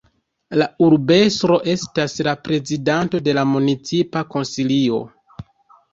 La urbestro estas la prezidanto de la Municipa Konsilio.